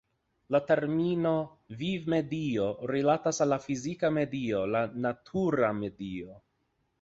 La termino "vivmedio" rilatas al la fizika medio, la natura medio.